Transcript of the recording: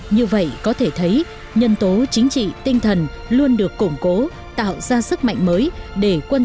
như vậy có thể thấy nhân tố chính trị tinh thần luôn được củng cố tạo ra sức mạnh mới để quân